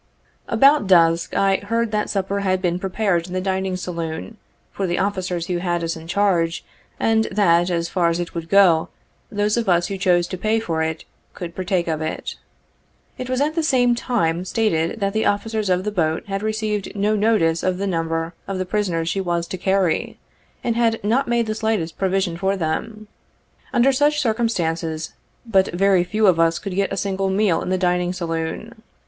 About dusk I heard that supper had been prepared in the dining saloon, for the officers who had us in charge, and that, as far as it would go, those of us who chose to pay for it, could partake of it. It was at the same time stated, that the officers of the boat had received no notice of the number of the prisoners she was to carry, and had not made the slightest provision for them. Under such circumstances, but very few of us could get a single meal in the dining saloon.